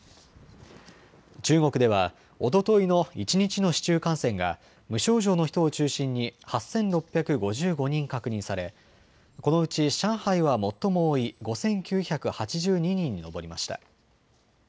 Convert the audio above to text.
中国ではおとといの一日の市中感染が無症状の人を中心に８６５５人確認されこのうち上海は最も多い５９８２人に上りました。